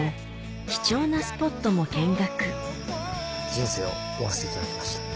人生を追わせていただきました。